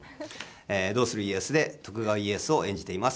「どうする家康」で徳川家康を演じています